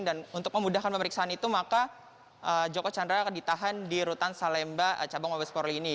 dan untuk memudahkan pemeriksaan itu maka joko chandra akan ditahan di rutan salemba cabang mabesporli ini